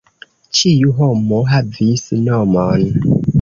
Ĉiu homo havis nomon.